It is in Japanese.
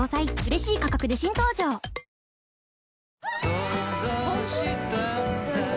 想像したんだ